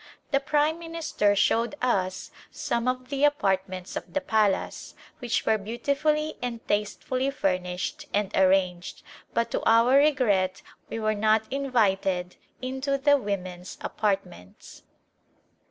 The prime minister showed us some of the apartments of the palace, which were beautifully and tastefully furnished and arranged, but to our regret we were not invited into the women's apartments.